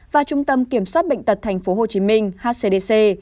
và trung tâm kiểm soát bệnh tật tp hcm hcdc